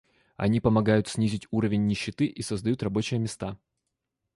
Они помогают снизить уровень нищеты и создают рабочие места.